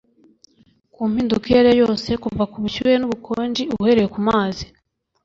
Ku mpinduka iyo ari yo yose kuva ubushyuhe n'ubukonje, uhereye kumazi